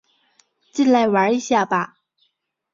进来玩一下吧